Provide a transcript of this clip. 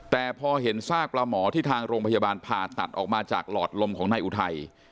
ทราบประหมอที่ทางโรงพยาบาลผ่าตัดออกมาจากหลอดลมของนายอุทัย